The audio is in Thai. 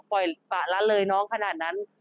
ปล่อยปะละเลยน้องขนาดนั้น